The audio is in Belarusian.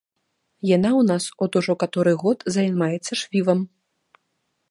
Яна ў нас от ужо каторы год займаецца швівам.